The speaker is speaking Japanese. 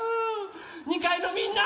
２かいのみんな！